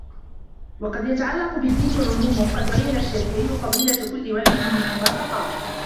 وَقَدْ يَتَعَلَّقُ بِالدِّينِ عُلُومٌ قَدْ بَيَّنَ الشَّافِعِيُّ فَضِيلَةَ كُلِّ وَاحِدٍ مِنْهَا فَقَالَ